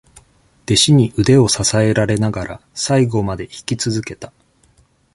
弟子に腕を支えられながら、最後まで引き続けた。